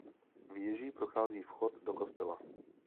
Věží prochází vchod do kostela.